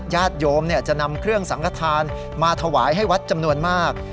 ญาติโยมจะนำเครื่องสังขทานมาถวายให้วัดจำนวนมาก